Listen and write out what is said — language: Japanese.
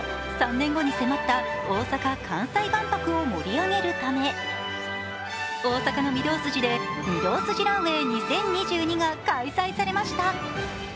３年後に迫った大阪・関西万博を盛り上げるため、大阪の御堂筋で御堂筋ランウェイ２０２２が開催されました。